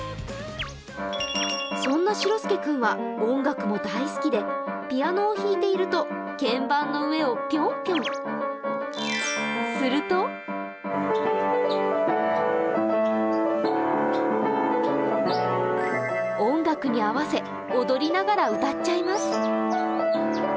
そんなしろすけ君は音楽も大好きでピアノを弾いていると鍵盤の上をぴょんぴょんすると音楽に合わせ、踊りながら歌っちゃいます。